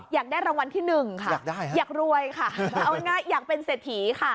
อยากได้รางวัลที่หนึ่งค่ะอยากรวยค่ะเอาง่ายอยากเป็นเศรษฐีค่ะ